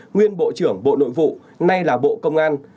nguyên bộ trưởng bộ nội vụ nay là bộ công an